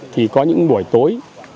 thì có những buổi tối